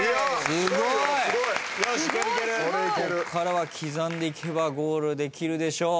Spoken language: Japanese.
こっからは刻んでいけばゴールできるでしょう。